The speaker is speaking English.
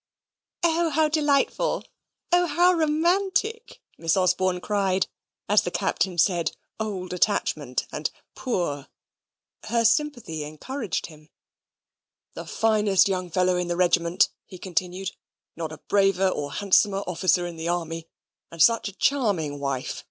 "O, how delightful! O, how romantic!" Miss Osborne cried, as the Captain said "old attachment" and "poor." Her sympathy encouraged him. "The finest young fellow in the regiment," he continued. "Not a braver or handsomer officer in the army; and such a charming wife!